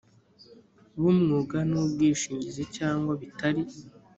bw umwuga w ubwishingizi cyangwa bitari